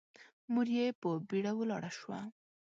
مور يې په بيړه ولاړه شوه.